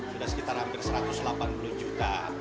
sudah sekitar hampir satu ratus delapan puluh juta